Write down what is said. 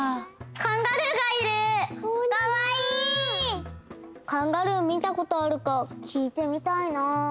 カンガルー見たことあるか聞いてみたいな。